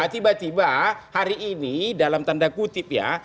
tiba tiba hari ini dalam tanda kutip ya